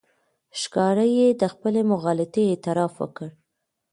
ښکاره یې د خپلې مغالطې اعتراف وکړ.